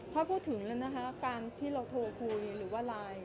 ถ้าพูดถึงเลยนะคะการที่เราโทรคุยหรือว่าไลน์